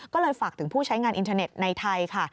ก็เลยฝากถึงผู้ใช้งานอินเทอร์เน็ตในไทยค่ะ